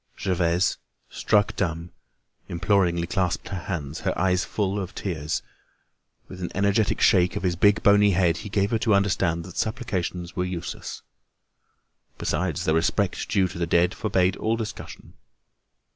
Gervaise, struck dumb, imploringly clasped her hands, her eyes full of tears. With an energetic shake of his big bony head, he gave her to understand that supplications were useless. Besides, the respect due to the dead forbade all discussion.